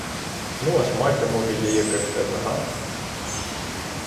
Ну, а шмаття може є яке в тебе, га?